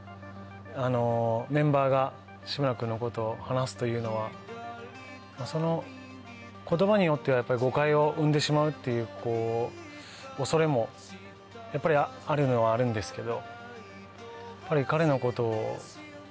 あのメンバーが志村君のことを話すというのはその言葉によっては誤解を生んでしまうっていう恐れもやっぱりあるのはあるんですけど。